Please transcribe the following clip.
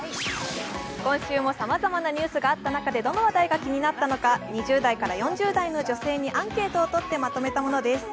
今週もさまざまなニュースがあった中で、どの話題が気になったのか２０代から４０代の女性にアンケートをとってまとめたものです。